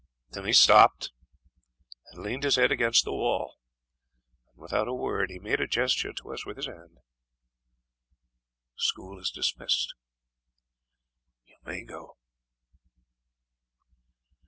Then he stopped and leaned his head against the wall, and, without a word, he made a gesture to us with his hand: "School is dismissed you may go."